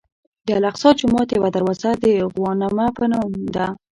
د الاقصی جومات یوه دروازه د غوانمه په نوم ده.